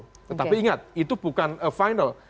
tetapi ingat itu bukan final